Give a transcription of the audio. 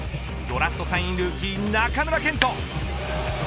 ドラフト３位ルーキー中村健人。